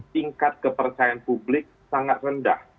tingkat kepercayaan publik sangat rendah